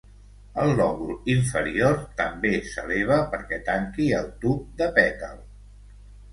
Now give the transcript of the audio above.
El lòbul inferior també s'eleva perquè tanqui el tub de pètal.